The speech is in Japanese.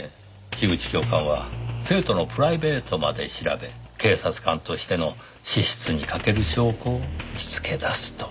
樋口教官は生徒のプライベートまで調べ警察官としての資質に欠ける証拠を見つけ出すと。